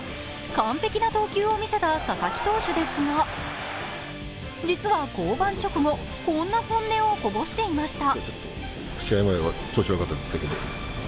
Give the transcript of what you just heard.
完璧な投球を見せた佐々木投手ですが、実は降板直後こんな本音をこぼしていました。